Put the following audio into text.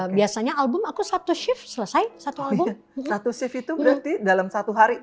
biasanya album aku satu shift selesai satu hari satu shift itu berarti dalam satu hari